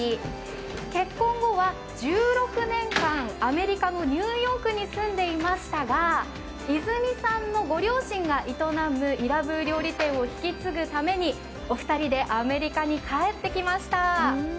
結婚後は１６年間アメリカのニューヨークに住んでいましたがイズミさんのご両親が営むイラブー料理店を引き継ぐためにお二人でアメリカに帰ってきました。